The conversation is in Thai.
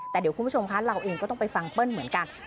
แต่เดี๋ยวคุณผู้ชมคะเราเองก็ต้องไปฟังเปิ้ลเหมือนกัน